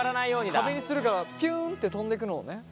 壁にするからピュンって飛んでいくのをね。